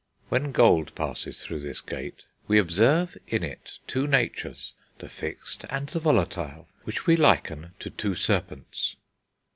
When gold passes through this gate, "We observe in it two natures, the fixed and the volatile, which we liken to two serpents."